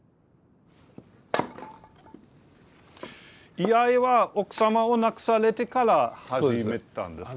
居合は奥様を亡くされてから始めたんですか？